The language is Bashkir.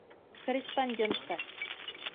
Корреспондентка.